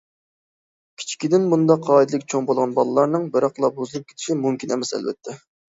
كىچىكىدىن بۇنداق قائىدىلىك چوڭ بولغان بالىلارنىڭ بىراقلا بۇزۇلۇپ كېتىشى مۇمكىن ئەمەس ئەلۋەتتە.